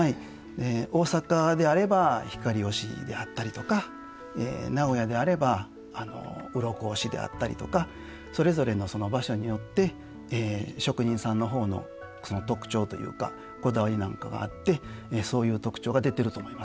大阪であれば「光押し」であったりとか名古屋であれば「鱗押し」であったりとかそれぞれの場所によって職人さんの方の特徴というかこだわりなんかがあってそういう特徴が出てると思いますね。